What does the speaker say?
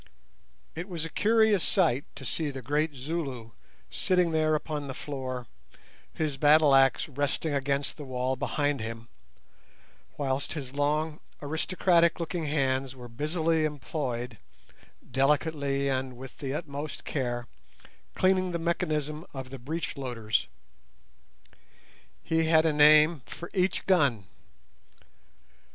It was a curious sight to see the great Zulu sitting there upon the floor, his battleaxe resting against the wall behind him, whilst his long aristocratic looking hands were busily employed, delicately and with the utmost care, cleaning the mechanism of the breech loaders. He had a name for each gun.